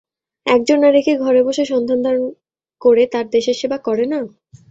একজন নারী কি ঘরে বসে সন্তান ধারণ করে তার দেশের সেবা করে না?